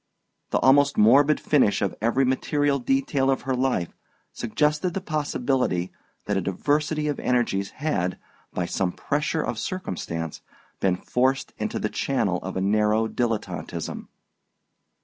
The almost morbid finish of every material detail of her life suggested the possibility that a diversity of energies had, by some pressure of circumstance, been forced into the channel of a narrow dilettanteism.